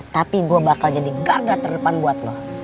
tapi gue bakal jadi garda terdepan buat lo